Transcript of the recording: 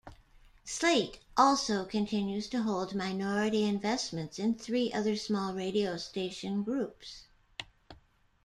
Slaight also continues to hold minority investments in three other small radio station groups.